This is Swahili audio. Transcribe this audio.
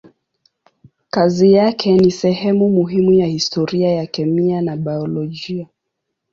Kazi yake ni sehemu muhimu ya historia ya kemia na biolojia.